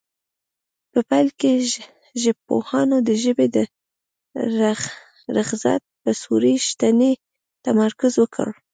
په پیل کې ژبپوهانو د ژبې د رغښت په صوري شننې تمرکز وکړ